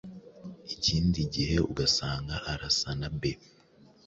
ikindi gihe ugasanga arasa na B